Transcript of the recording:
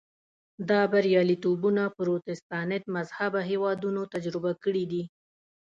دا بریالیتوبونه پروتستانت مذهبه هېوادونو تجربه کړي دي.